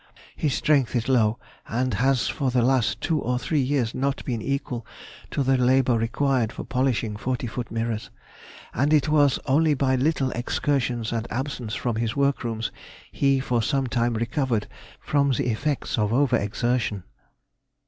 His strength is now, and has for the last two or three years not been equal to the labour required for polishing forty foot mirrors. And it was only by little excursions and absence from his workrooms, he for some time recovered from the effects of over exertion.